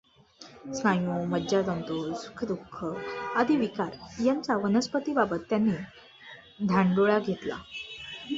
स्नायू, मज्जातंतू, सुखदु ख आदी विकार यांचा वनस्पतीबाबत त्यांनी धांडोळा घेतला.